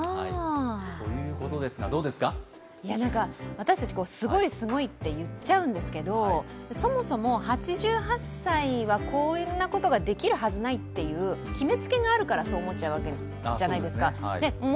私たち、すごい、すごいと言っちゃうんですけど、そもそも８８歳はこんなことができるはずないっていう決めつけがあるから、そう思っちゃうわけじゃないですか。